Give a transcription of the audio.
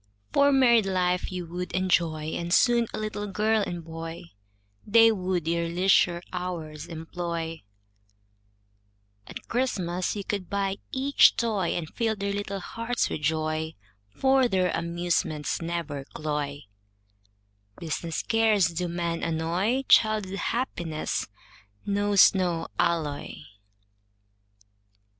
For married life you would enjoy, And soon a little girl and boy, They would your leisure hours employ, At Christmas you could buy each toy, And fill their little hearts with joy, For their amusements never cloy, Business cares do men annoy, Child's happiness knows no alloy.